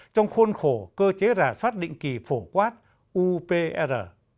trong khuôn khổ cơ chế rà soát định kỳ phổ quát upr